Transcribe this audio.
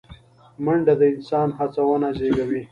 منډه د انسان هڅونه زیږوي